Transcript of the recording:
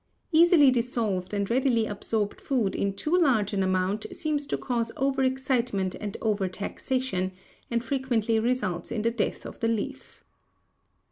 Easily dissolved and readily absorbed food in too large an amount seems to cause overexcitement and overtaxation, and frequently results in the death of the leaf.